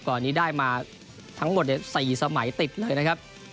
ก่อนนี้ได้มาทั้งหมด๔สมัยติดเลยนะครับ